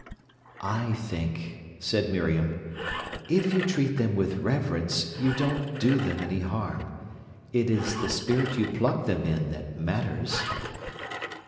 "I think," said Miriam, "if you treat them with reverence you don't do them any harm. It is the spirit you pluck them in that matters."